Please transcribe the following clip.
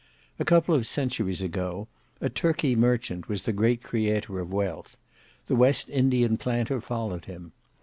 A couple of centuries ago, a Turkey merchant was the great creator of wealth; the West Indian Planter followed him.